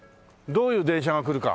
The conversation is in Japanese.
どういう電車が来るか。